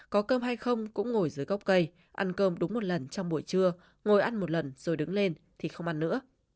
có cơm hay không cũng ngồi dưới gốc cây ăn cơm đúng một lần trong buổi trưa ngồi ăn một lần rồi đứng lên thì không ăn nữa